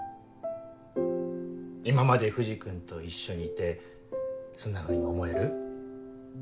今まで藤君と一緒にいてそんなふうに思える？